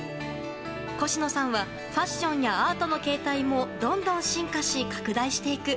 コシノさんはファッションやアートの形態もどんどん進化し拡大していく。